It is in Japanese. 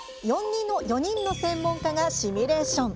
４人の専門家がシミュレーション。